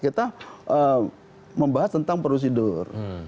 kita membahas tentang prosedur